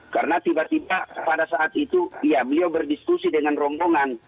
karena tiba tiba pada saat itu ya beliau berdiskusi dengan rombongan